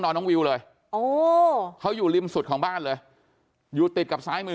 น้องวิวเลยโอ้เขาอยู่ริมสุดของบ้านเลยอยู่ติดกับซ้ายมือ